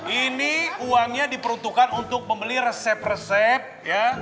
ini uangnya diperuntukkan untuk membeli resep resep ya